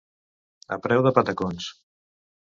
A preu de patacons.